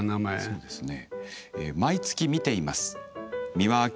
そうですね。